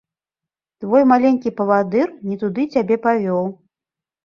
Твой маленькі павадыр не туды цябе павёў.